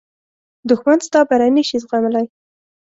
دښمن ستا بری نه شي زغملی